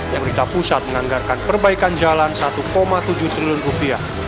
pemerintah pusat menganggarkan perbaikan jalan satu tujuh triliun rupiah